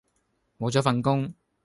無咗份工